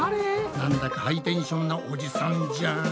なんだかハイテンションなおじさんじゃん。